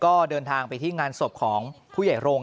ก็เดินทางไปที่งานสมพิจารณ์ของผู้ใหญ่โรง